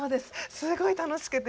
すごい楽しくて。